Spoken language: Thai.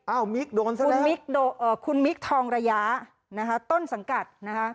อ้าวมิ๊กโดนซะแล้วคุณมิ๊กทองระยะต้นสังกัดนะคะ